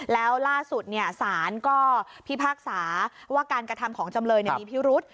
แล้วล่าสุดสารก็พิพากษาว่าการกระทำของจำเลยมีพิรุษ